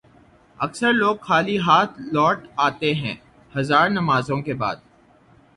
اکثر لوگ خالی ہاتھ لوٹ آتے ہیں ہزار نمازوں کے بعد